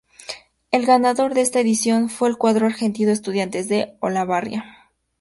El ganador de esta edición fue el cuadro argentino Estudiantes de Olavarría.